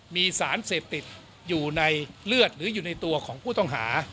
มีสารเสพติดอยู่ในเลือดหรืออยู่ในตัวของผู้ต้องหา